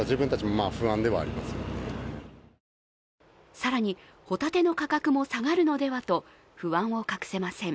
更に、ホタテの価格も下がるのではと不安を隠せません。